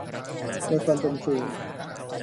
ในความเป็นจริง